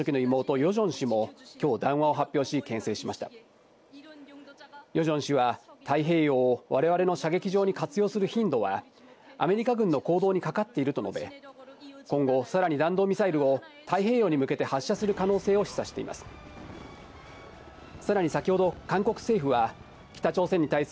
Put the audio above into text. ヨジョン氏は太平洋を我々の射撃場に活用する頻度はアメリカ軍の行動にかかっていると述べ、今後さらに弾道ミサイルを太平洋に向けて発射する可能性を示唆しています。